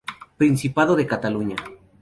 Principado de Cataluña.